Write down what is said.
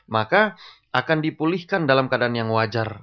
maka akan dipulihkan dalam keadaan yang wajar